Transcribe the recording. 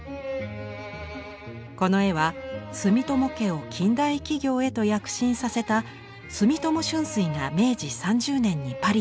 この絵は住友家を近代企業へと躍進させた住友春翠が明治３０年にパリで購入。